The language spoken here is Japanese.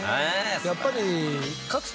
やっぱり。